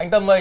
anh tâm ơi